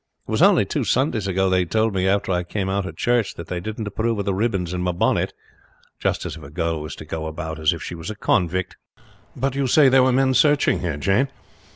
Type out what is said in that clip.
It was only two Sundays ago they told me after I came out of church that they didn't approve of the ribbons in my bonnet; just as if a girl was to go about as if she was a convict." "But you say there were men searching here, Jane.